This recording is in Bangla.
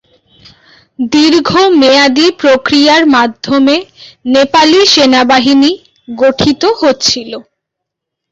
দীর্ঘ মেয়াদী প্রক্রিয়ার মাধ্যমে নেপালি সেনাবাহিনী গঠিত হচ্ছিলো।